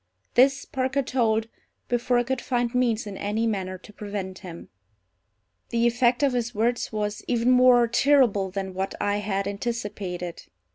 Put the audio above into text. This Parker told before I could find means in any manner to prevent him. The effect of his words was even more terrible than what I had anticipated.